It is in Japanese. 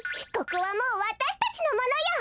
ここはもうわたしたちのものよ！